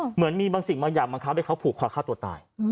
เหมือนมีบางสิ่งบางอย่างบังคับให้เขาผูกคอฆ่าตัวตาย